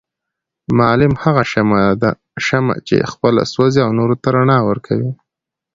معلم هغه شمعه چي خپله سوزي او نورو ته رڼا ورکوي